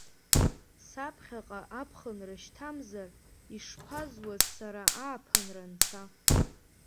Саԥхьаҟа аԥхынра шьҭамзар, ишԥазуаз сара ааԥынра анца?!